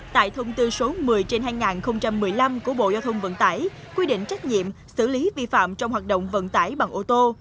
tại thông tư số một mươi trên hai nghìn một mươi năm của bộ giao thông vận tải quy định trách nhiệm xử lý vi phạm trong hoạt động vận tải bằng ô tô